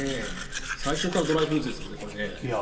最初からドライフルーツですもんね。